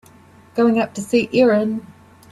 Going up to see Erin.